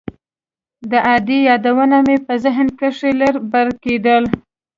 د ادې يادونه مې په ذهن کښې لر بر کېدل.